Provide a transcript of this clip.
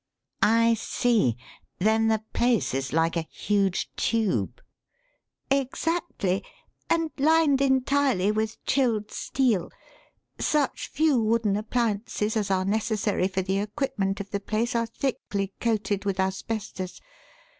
"I see. Then the place is like a huge tube." "Exactly and lined entirely with chilled steel. Such few wooden appliances as are necessary for the equipment of the place are thickly coated with asbestos.